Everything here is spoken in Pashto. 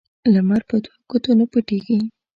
لمر په دوو گوتو نه پټېږي.